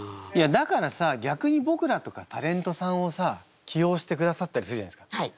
だからさぎゃくにぼくらとかタレントさんをさ起用してくださったりするじゃないですか。